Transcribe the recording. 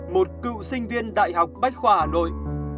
một cựu sinh viên đại học bách khoa hà nội